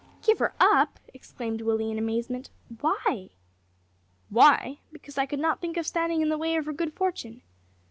"Give her up!" exclaimed Willie in amazement. "Why?" "Why! because I could not think of standing in the way of her good fortune."